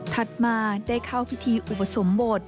มาได้เข้าพิธีอุปสมบท